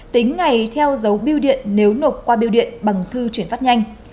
tính ngày theo dấu biêu điện nếu nộp qua biêu điện bằng thư chuyển phát nhanh